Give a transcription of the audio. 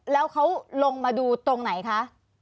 แล้วเขาลงมาดูตรงไหนคะ